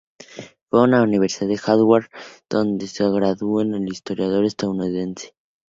Fue a la Universidad de Harvard, dónde ser graduó de historiador estadounidense.